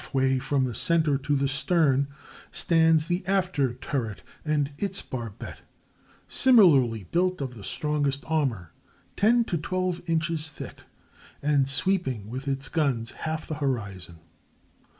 ] Half way from the center to the stern stands the after turret and its barbette, similarly built of the strongest armor,—ten to twelve inches thick,—and sweeping with its guns half the horizon.